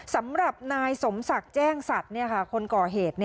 สำหรับนายสมศักดิ์แจ้งสัตว์คนก่อเหตุ